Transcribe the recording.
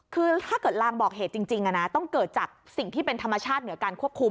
คือถ้าเกิดลางบอกเหตุจริงต้องเกิดจากสิ่งที่เป็นธรรมชาติเหนือการควบคุม